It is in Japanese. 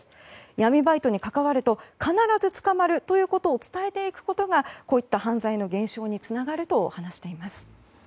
闇バイトに関わると必ず捕まるということを伝えていくことがこういった犯罪の減少につながると話しています。